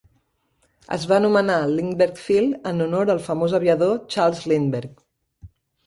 Es va anomenar Lindbergh Field en honor al famós aviador Charles Lindbergh.